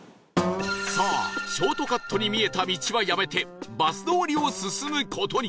さあショートカットに見えた道はやめてバス通りを進む事に